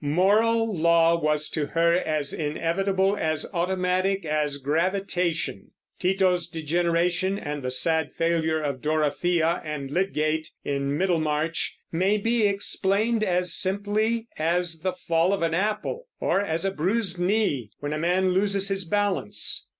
Moral law was to her as inevitable, as automatic, as gravitation. Tito's degeneration, and the sad failure of Dorothea and Lydgate in Middlemarch, may be explained as simply as the fall of an apple, or as a bruised knee when a man loses his balance.